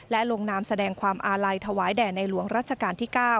และลงนามแสดงความอาลัยถวายแด่ในหลวงรัชกาลที่๙